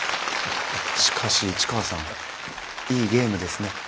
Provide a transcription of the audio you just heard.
しかし市川さんいいゲームですね